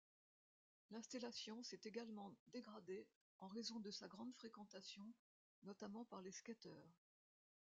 L'installation s'est également dégradée en raison de sa grande fréquentation, notamment par les skaters.